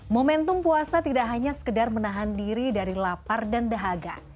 momentum puasa tidak hanya sekedar menahan diri dari lapar dan dahaga